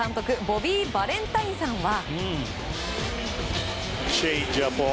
ボビー・バレンタインさんは。